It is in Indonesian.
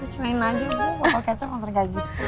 cuman aja botol kecap maksudnya kayak gitu